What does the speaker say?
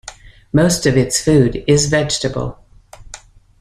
Most of its food is vegetable.